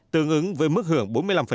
tương ứng với mức hưởng bốn mươi năm